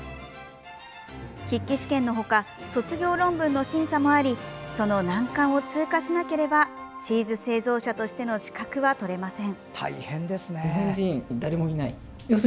筆記試験の他卒業論文の審査もありその難関を通過しなければチーズ製造者としての資格は取れません。